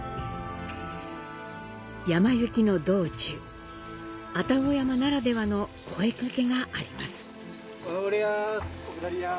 山行きの道中、愛宕山ならではの声掛けがあります。